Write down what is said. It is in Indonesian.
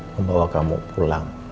membawa kamu pulang